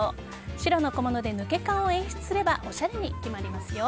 白の小物で抜け感を演出すればおしゃれに決まりますよ。